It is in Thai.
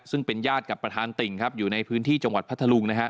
ซึ่งเป็นญาติกับประธานติ่งครับอยู่ในพื้นที่จังหวัดพัทธลุงนะฮะ